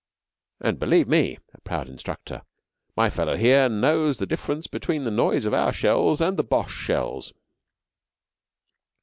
"And believe me," a proud instructor, "my fellow here knows the difference between the noise of our shells and the Boche shells."